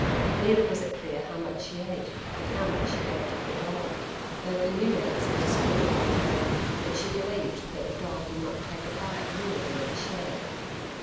Neither was it clear how much she ate, and how much she gave to her dog, though the new mate said to Squeaker one day that she believed that the dog would not take a bite more than its share.